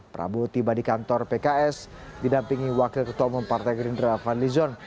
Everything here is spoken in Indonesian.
prabowo tiba di kantor pks didampingi wakil ketua umum partai gerindra fadli zon